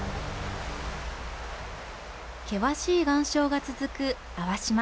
険しい岩礁が続く粟島。